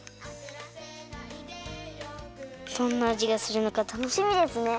どんなあじがするのかたのしみですね。